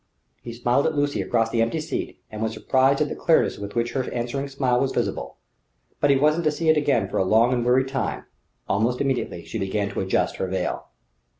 He smiled at Lucy across the empty seat, and was surprised at the clearness with which her answering smile was visible. But he wasn't to see it again for a long and weary time; almost immediately she began to adjust her veil.